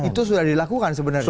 itu sudah dilakukan sebenarnya